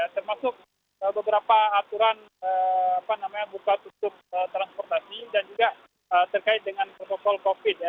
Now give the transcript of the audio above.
termasuk beberapa aturan buka tutup transportasi dan juga terkait dengan protokol covid